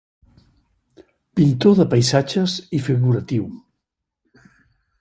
Pintor de paisatges i figuratiu.